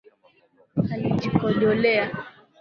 Alijikojolea